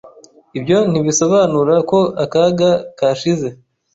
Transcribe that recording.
Ibyo ntibisobanura ko akaga kashize.